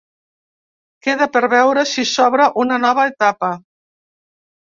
Queda per veure si s’obre una nova etapa.